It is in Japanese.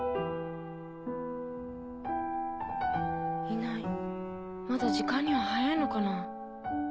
１？いないまだ時間には早いのかな。